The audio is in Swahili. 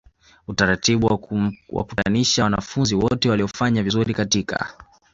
utaratibu wakuwakutanisha wanafunzi wote waliofanya vizuri katika